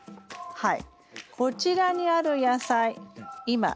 はい。